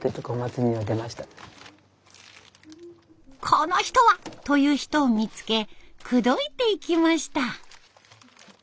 この人は！という人を見つけ口説いていきました。